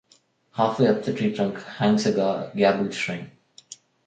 Halfway up the tree trunk, hangs a gabled shrine.